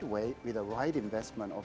pelaburan peralatan yang benar